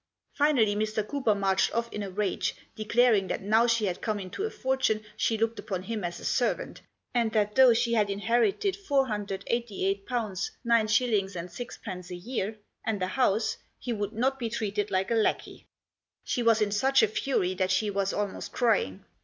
Finally Mr. Cooper marched off in a rage, declaring that now she had come into a fortune she looked upon him as a servant, and that though she had inherited ^488 9s. 6d. a year, and a house, he would not be treated like a lackey. She was in such a fury that she was almost crying.